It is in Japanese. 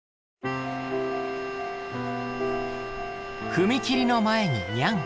踏切の前にニャン。